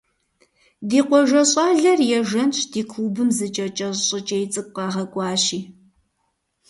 Ди къуажэ щӏалэр ежэнщ ди клубым зы кӏэ кӏэщӏ щӏыкӏей цӏыкӏу къагъэкӏуащи.